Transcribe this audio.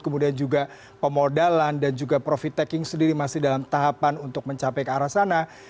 kemudian juga pemodalan dan juga profit taking sendiri masih dalam tahapan untuk mencapai ke arah sana